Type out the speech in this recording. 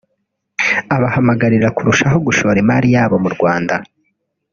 abahamagarira kurushaho gushora imari yabo mu Rwanda